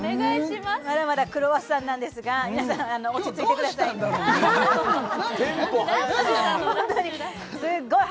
まだまだクロワッサンなんですが皆さん落ち着いてくださいね今日どうしたんだろうね？